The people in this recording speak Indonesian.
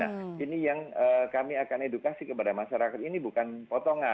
nah ini yang kami akan edukasi kepada masyarakat ini bukan potongan